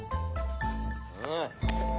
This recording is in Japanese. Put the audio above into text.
うん。